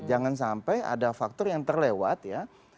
jangan sampai ada faktor yang terlewat ya